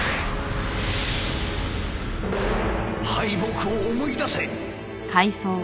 敗北を思い出せ